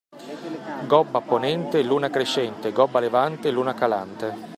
Gobba a ponente luna crescente, gobba a levante luna calante.